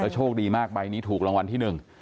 โชคดีมากไปถูกรางวัลที่๑